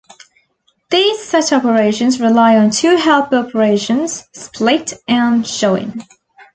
These set operations rely on two helper operations, "Split" and "Join".